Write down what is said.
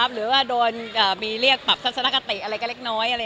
หรือว่าโดนมีเรียกปรับทัศนคติอะไรก็เล็กน้อย